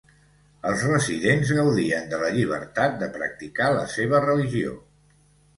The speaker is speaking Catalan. Els residents gaudien de la llibertat de practicar la seva religió.